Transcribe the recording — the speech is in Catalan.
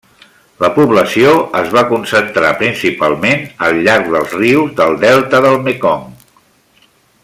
La població es va concentrar principalment al llarg dels rius del delta del Mekong.